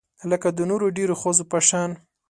لکه د نورو ډیرو ښځو په شان